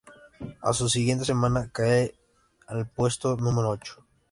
A su siguiente semana cae al puesto número ocho.